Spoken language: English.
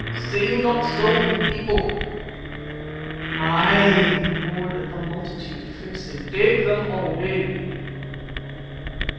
Say you not so, O people?" "Aye," roared the multitude fiercely, "take them away."